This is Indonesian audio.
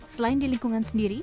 selain di lingkungan sendiri